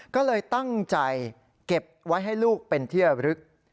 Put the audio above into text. ก็เลยตั้งใจเก็บไว้ให้ลูกเป็นที่ระลึก